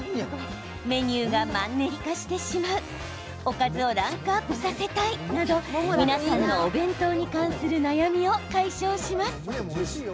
メニューがマンネリ化してしまうおかずをランクアップさせたいなど、皆さんのお弁当に関する悩みを解消します。